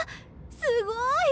すごい！